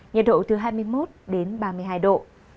nhiệt độ từ hai mươi một đến ba mươi hai độ